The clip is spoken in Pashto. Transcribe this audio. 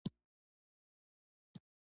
_ما، ما